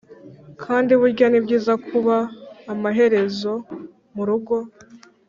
kandi burya nibyiza kuba amaherezo murugo.